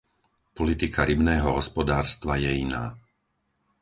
Politika rybného hospodárstva je iná.